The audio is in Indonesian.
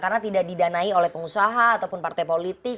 karena tidak didanai oleh pengusaha ataupun partai pemerintah